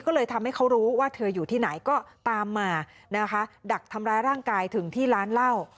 ก็เลยทำให้เขารู้ว่าเธออยู่ที่ไหนก็ตามมานะคะดักทำร้ายร่างกายถึงที่ร้านเหล้า